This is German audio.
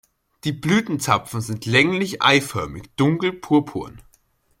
Die Blütenzapfen sind länglich-eiförmig, dunkel-purpurn.